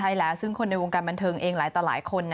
ใช่แล้วซึ่งคนในวงการบันเทิงเองหลายต่อหลายคน